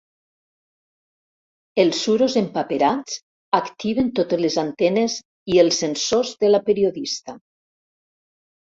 Els suros empaperats activen totes les antenes i els sensors de la periodista.